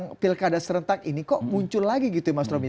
kemudian pilkada serentak ini kok muncul lagi gitu ya mas romy